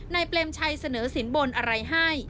เปรมชัยเสนอสินบนอะไรให้